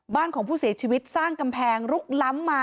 บ้านของผู้เสียชีวิตสร้างกำแพงลุกล้ำมา